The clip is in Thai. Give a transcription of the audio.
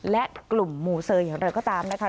และกลุ่มมูเซอร์อย่างไรก็ตามนะคะ